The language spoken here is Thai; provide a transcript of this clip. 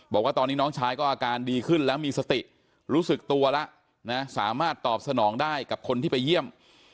บอกว่าตอนนี้น้องชายก็อาการดีขึ้นแล้วมีสติรู้สึกตัวแล้วนะสามารถตอบสนองได้กับคนที่ไปเยี่ยม